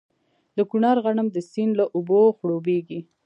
د کونړ غنم د سیند له اوبو خړوبیږي.